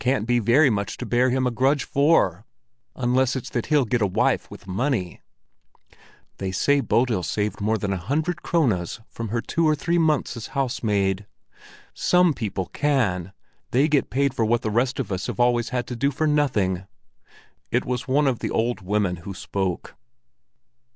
"There can't be very much to bear him a grudge for, unless it is that he'll get a wife with money. They say Bodil's saved more than a hundred krones from her two or three months as housemaid. Some people can—they get paid for what the rest of us have always had to do for nothing." It was one of the old women who spoke.